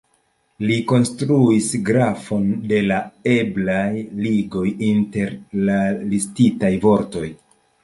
Li konstruis grafon de la eblaj ligoj inter la listitaj vortoj.